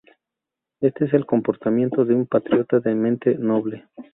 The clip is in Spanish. Este es el comportamiento de un patriota de mente noble.